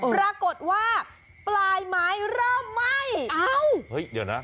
ปรากฏว่าปลายไม้เริ่มไหม้